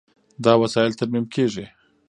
دا وسایل ترمیم کېږي.